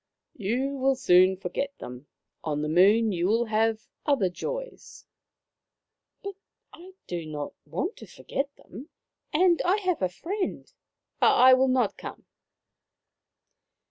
" You will soon forget them. On the Moon you will have other joys." " But I do not want to forget them. And I have a friend. I will not come."